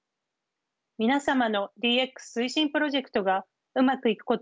皆様のＤＸ推進プロジェクトがうまくいくことを祈念しています。